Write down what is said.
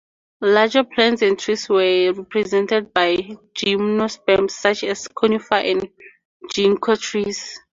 Larger plants and trees were represented by gymnosperms, such as conifer and ginkgo trees.